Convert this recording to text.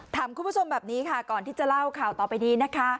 ถามคุณผู้ชมแบบนี้ค่ะก่อนที่จะเล่าข่าวต่อไปนี้นะคะ